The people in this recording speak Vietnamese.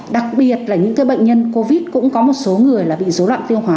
đặc biệt là những cái bệnh nhân covid cũng có một số người là bị dấu loạn phiêu hóa